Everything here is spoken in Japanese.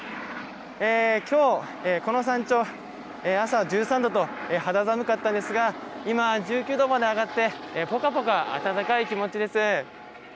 きょう、この山頂朝、１３度と肌寒かったんですが今は、１９度まで上がってぽかぽか温かい気持ちです。